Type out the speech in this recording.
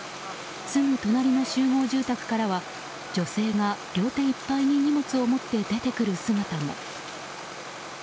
すぐ隣の集合住宅からは女性が両手いっぱいに荷物を持って出てくる姿も。